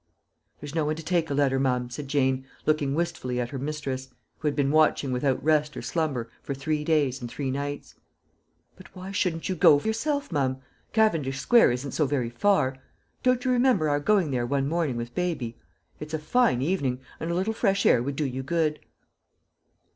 "There's no one to take a letter, mum," said Jane, looking wistfully at her mistress, who had been watching without rest or slumber for three days and three nights. "But why shouldn't you go yourself, mum? Cavendish Square isn't so very far. Don't you remember our going there one morning with baby? It's a fine evening, and a little fresh air would do you good."